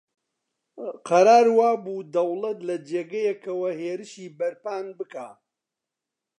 قەرار وا بوو دەوڵەت لە جێگەیەکەوە هێرشێکی بەرپان بکا